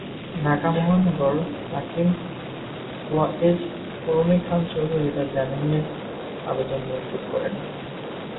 ঢাকা মহানগর হাকিম ওয়ায়েজ কুরুনী খান চৌধুরী তাঁর জামিনের আবেদন মঞ্জুর করেন।